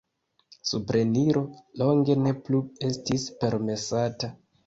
Supreniro longe ne plu estis permesata.